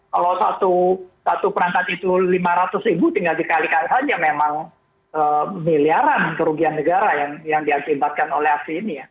kalau satu perangkat itu lima ratus ribu tinggal dikalikan saja memang miliaran kerugian negara yang diakibatkan oleh aksi ini ya